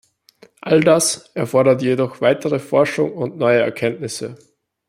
All das erfordert jedoch weitere Forschung und neue Erkenntnisse.